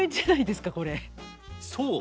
そう。